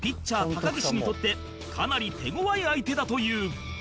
高岸にとってかなり手ごわい相手だという